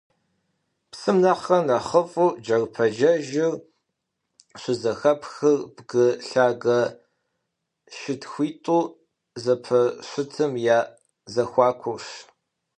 Псым нэхърэ нэхъыфIу джэрпэджэжыр щызэхэпхыр бгы лъагэ шытхитIу зэпэщытым я зэхуакурщ.